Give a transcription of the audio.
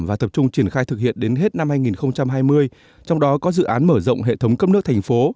và tập trung triển khai thực hiện đến hết năm hai nghìn hai mươi trong đó có dự án mở rộng hệ thống cấp nước thành phố